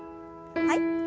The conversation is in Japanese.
はい。